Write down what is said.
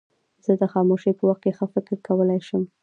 زه د خاموشۍ په وخت کې ښه فکر کولای شم.